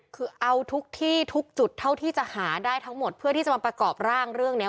คือเอาทุกที่ทุกจุดเท่าที่จะหาได้ทั้งหมดเพื่อที่จะมาประกอบร่างเรื่องนี้